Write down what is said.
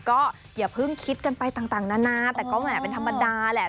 ก็อย่าเพิ่งคิดกันไปต่างนานาแต่ก็แหมเป็นธรรมดาแหละ